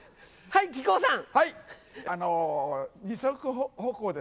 はい木久扇さん。